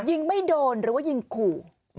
ยิงไม่โดนหรือว่ายิงขู่